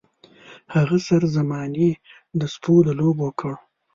هغه سر زمانې د سپو د لوبو کړ.